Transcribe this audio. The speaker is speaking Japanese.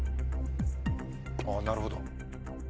あなるほど。